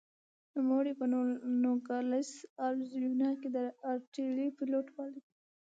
نوموړی په نوګالس اریزونا کې د ارټلي فلوټ مالک و.